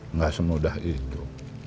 enggak semudah itu